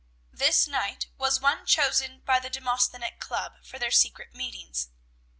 This night was one chosen by the Demosthenic Club for their secret meetings.